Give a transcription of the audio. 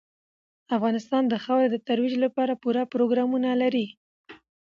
افغانستان د خاورې د ترویج لپاره پوره پروګرامونه لري.